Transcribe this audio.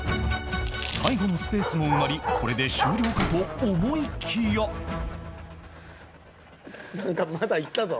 最後のスペースも埋まりこれで終了かと思いきやなんかまだいったぞ。